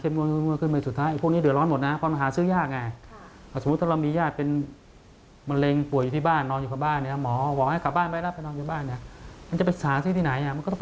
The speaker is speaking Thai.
เดี๋ยวลองไปฟังกันค่ะ